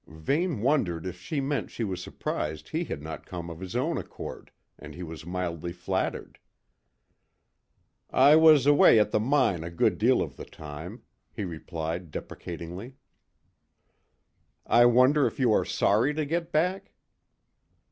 Vane wondered if she meant she was surprised he had not come of his own accord, and he was mildly flattered. "I was away at the mine a good deal of the time," he replied deprecatingly. "I wonder if you are sorry to get back?"